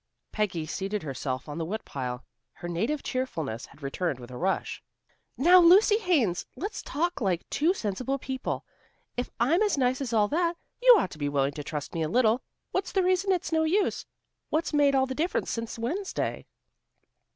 Peggy seated herself on the woodpile. Her native cheerfulness had returned with a rush. "Now, Lucy Haines, let's talk like two sensible people. If I'm as nice as all that, you ought to be willing to trust me a little. What's the reason it's no use? What's made all the difference since Wednesday?"